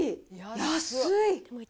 安い！